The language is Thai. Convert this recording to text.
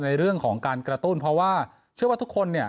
ในเรื่องของการกระตุ้นเพราะว่าเชื่อว่าทุกคนเนี่ย